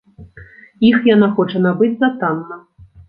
Іх яна хоча набыць за танна.